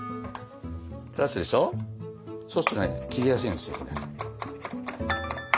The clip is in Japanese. そうするとね切りやすいんですよ。